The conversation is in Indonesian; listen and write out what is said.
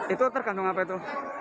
itu tergantung apa itu